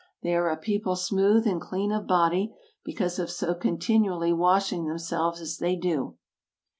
They are a peo ple smooth and clean of body, because of so continually wash ing themselves as they do.